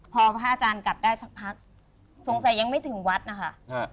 พอพระอาจารย์กลับได้สักพักสงสัยยังไม่ถึงวัดนะคะ